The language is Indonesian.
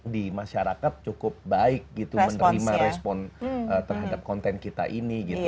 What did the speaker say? di masyarakat cukup baik gitu menerima respon terhadap konten kita ini gitu